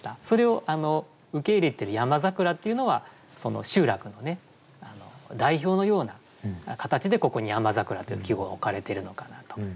それを受け入れている「山桜」っていうのはその集落の代表のような形でここに「山桜」という季語が置かれているのかなと。